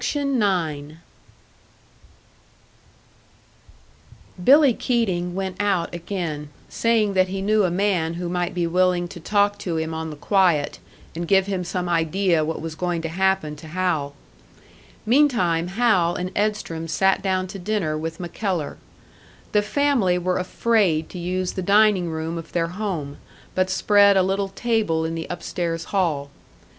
Billy Keating went out again, saying that he knew a man who might be willing to talk to him on the quiet, and give him some idea what was going to happen to Hal. Meantime Hal and Edstrom sat down to dinner with MacKellar. The family were afraid to use the dining room of their home, but spread a little table in the upstairs hall.